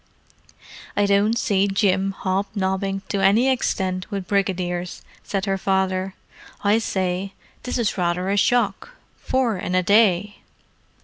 "I don't see Jim hob nobbing to any extent with brigadiers," said her father. "I say, this is rather a shock. Four in a day!"